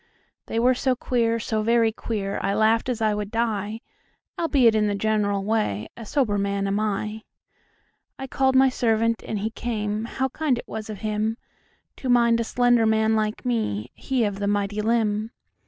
They were so queer, so very queer,I laughed as I would die; Albeit, in the general way,A sober man am I.I called my servant, and he came; How kind it was of himTo mind a slender man like me, He of the mighty limb.